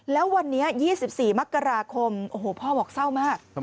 แล้ววันนี้๒๔มกราคมโอ้โหพ่อบอกเศร้ามาก